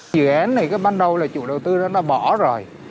dự án này ban đầu là chủ đầu tư đã bỏ rồi